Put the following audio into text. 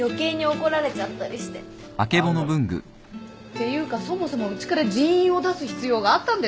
ていうかそもそもうちから人員を出す必要があったんですか？